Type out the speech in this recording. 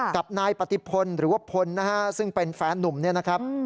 กับนายปฏิพลหรือว่าพลนะฮะซึ่งเป็นแฟนนุ่มเนี่ยนะครับ